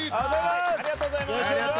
ありがとうございます。